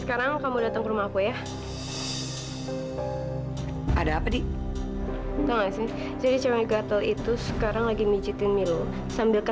kamu tau apaan sih al